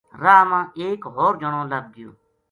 راہ ما ایک ہور جنو لَبھ گیو